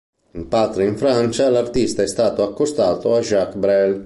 In patria e in Francia l'artista è stato accostato a Jacques Brel.